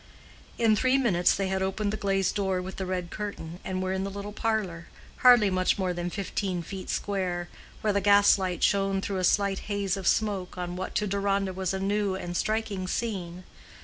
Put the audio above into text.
In three minutes they had opened the glazed door with the red curtain, and were in the little parlor, hardly much more than fifteen feet square, where the gaslight shone through a slight haze of smoke on what to Deronda was a new and striking scene.